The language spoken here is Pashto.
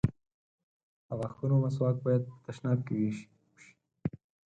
د غاښونو مسواک بايد په تشناب کې وشي.